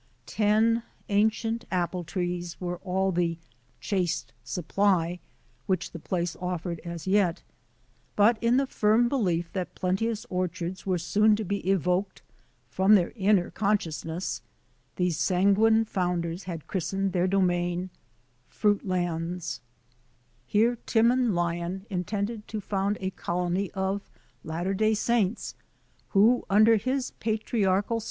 Ten ancient apple trees were all the "chaste supply" which the place offered as yet; but, in the firm belief^ that plenteous orchards were soon to be evokedj Digitized by VjOOQ IC 150 BRONSON ALCOTT'S FRUITLANDS ^' from their inner consciousness, these sanguine founders had christened their domain Fruitiands. Here Timon Lion intended to found a colony of 1 T Latter Day Saints, who, under his patriarchal